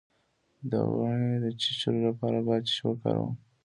د غڼې د چیچلو لپاره باید څه شی وکاروم؟